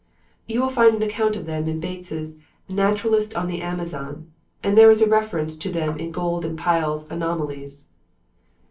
"You will find an account of them in Bates' "Naturalist on the Amazon," and there is a reference to them in Gould and Pyle's "Anomalies.""